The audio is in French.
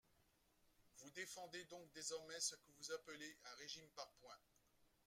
Vous défendez donc désormais ce que vous appelez un régime par points.